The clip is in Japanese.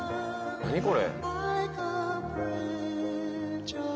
何これ。